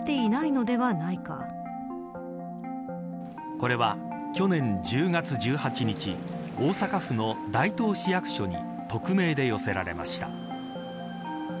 これは去年１０月１８日大阪府の大東市役所に匿名で寄せられました。